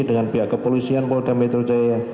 dengan pihak kepolisian wumpol dan metro jaya